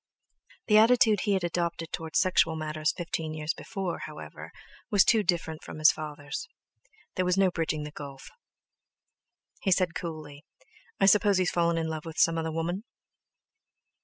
The attitude he had adopted towards sexual matters fifteen years before, however, was too different from his father's. There was no bridging the gulf. He said coolly: "I suppose he's fallen in love with some other woman?"